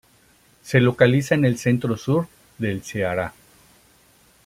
Se localiza en el Centro-sur del Ceará.